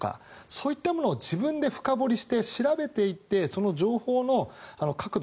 そういったものを自分で深掘りして調べていって、その情報の確度